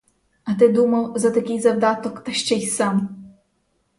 А ти думав, за такий завдаток та ще сам!